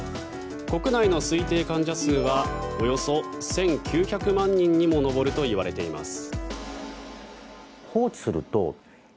国内の推定患者数はおよそ１９００万人にも上るといわれています。